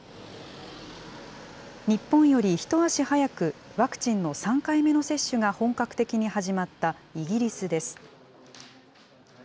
日本より一足早くワクチンの３回目の接種が本格的に始まったイギリスです。